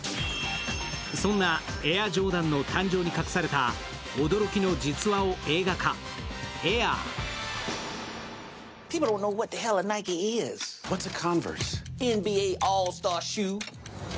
そんなエア・ジョーダンの誕生に隠された驚きの実話を映画化「ＡＩＲ／エア」。